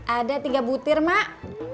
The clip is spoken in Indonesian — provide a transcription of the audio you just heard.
ada tiga butir mak